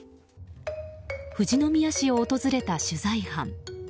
富士宮市を訪れた取材班。